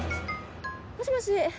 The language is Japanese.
もしもし。